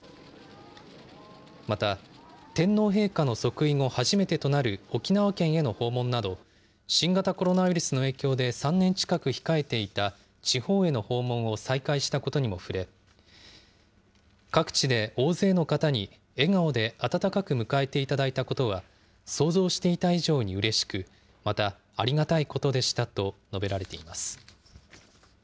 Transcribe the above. また、天皇陛下の即位後、初めてとなる沖縄県への訪問など、新型コロナウイルスの影響で３年近く控えていた地方への訪問を再開したことにも触れ、各地で大勢の方に笑顔で温かく迎えていただいたことは、想像していた以上にうれしく、またありがたいことでしたと述べられています。